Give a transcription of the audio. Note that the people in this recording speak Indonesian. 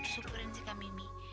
syukurin sikap mimi